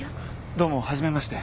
どうも初めまして。